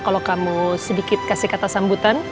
kalau kamu sedikit kasih kata sambutan